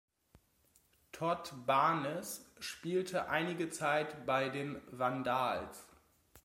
Todd Barnes spielte einige Zeit bei den Vandals.